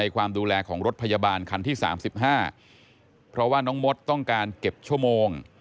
ความดูแลของรถพยาบาลคันที่๓๕เพราะว่าน้องมดต้องการเก็บชั่วโมง